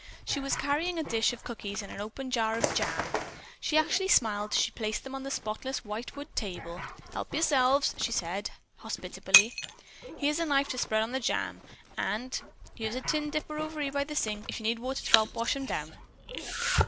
She was carrying a dish of cookies and an open jar of jam. She actually smiled as she placed them on the spotless white wood table. "Help yerselves," she said hospitably. "Here's a knife to spread on the jam with. An' there's a tin dipper over by the sink if yo' need water to help wash 'em down."